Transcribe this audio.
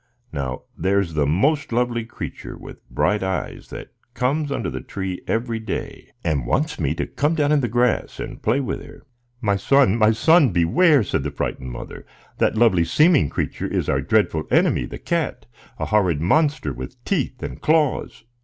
Now there's the most lovely creature, with bright eyes, that comes under the tree every day, and wants me to come down in the grass and play with her." "My son, my son, beware!" said the frightened mother; "that lovely seeming creature is our dreadful enemy, the cat,—a horrid monster, with teeth and claws."